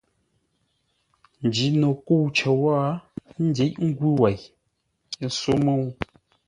Njino kə̂u cər wó ńdíʼ ngwʉ̂ wei, ə́ só mə́u.